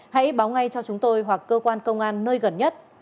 hãy báo ngay cho chúng tôi hoặc cơ quan công an nơi gần nhất